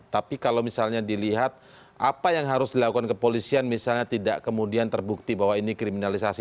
tapi kalau misalnya dilihat apa yang harus dilakukan kepolisian misalnya tidak kemudian terbukti bahwa ini kriminalisasi